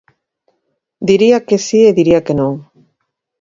Diría que si e diría que non.